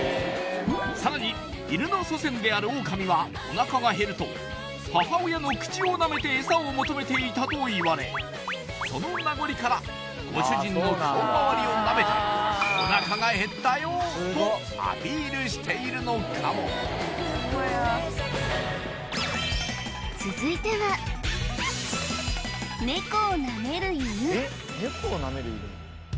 さらに犬の祖先であるオオカミはおなかが減ると母親の口を舐めてエサを求めていたといわれその名残からご主人の顔周りを舐めておなかが減ったよとアピールしているのかも続いてはネコを舐める犬